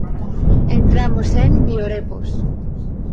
Entramos en Biorepos.